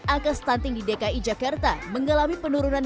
angka stunting di dki jakarta mengalami penurunan